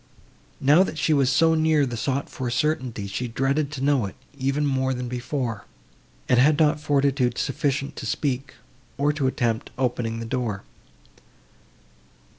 Now that she was so near the sought for certainty, she dreaded to know it, even more than before, and had not fortitude sufficient to speak, or to attempt opening the door.